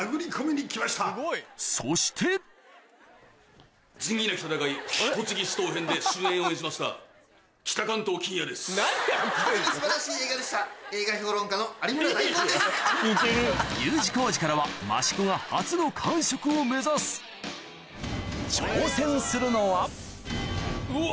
そしてＵ字工事からは益子が初の完食を目指す挑戦するのは・うわ！